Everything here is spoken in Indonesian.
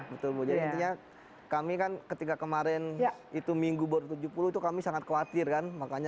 betul bu jadi intinya kami kan ketika kemarin itu minggu baru tujuh puluh itu kami sangat khawatir kan